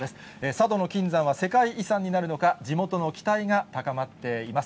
佐渡島の金山は世界遺産になるのか、地元の期待が高まっています。